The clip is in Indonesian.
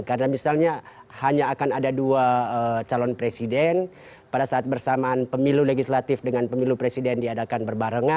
karena misalnya hanya akan ada dua calon presiden pada saat bersamaan pemilu legislatif dengan pemilu presiden diadakan berbahaya